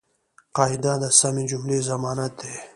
قاعده د سمي جملې ضمانت دئ.